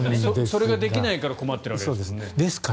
それができないから困っているわけですよね。